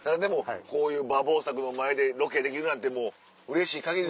こういう馬防柵の前でロケできるなんてうれしい限り。